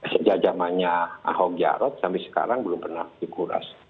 sejak zamannya ahok jarot sampai sekarang belum pernah dikuras